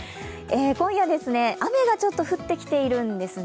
今夜、雨がちょっと降ってきているんですね。